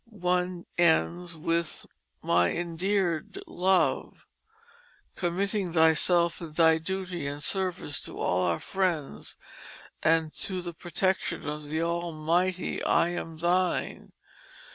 One ends, "With my Indeared Love, committing thyself and thy duty and service to all our friends, and to the protection of the Almighty, I am thine."